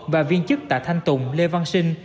và viên chức tại thanh tùng lê văn sinh